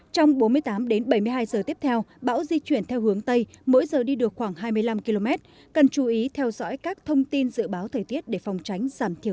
trong bốn mươi tám đến bảy mươi hai giờ tiếp theo bão di chuyển theo hướng tây mỗi giờ đi được khoảng hai mươi năm km cần chú ý theo dõi các thông tin dự báo thời tiết để phòng tránh giảm thiểu